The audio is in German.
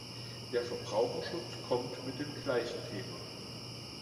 Der Verbraucherschutz kommt mit dem gleichen Thema.